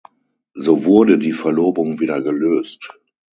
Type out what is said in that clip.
So wurde die Verlobung wieder gelöst.